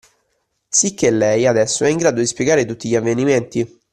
Sicchè lei, adesso, è in grado di spiegare tutti gli avvenimenti?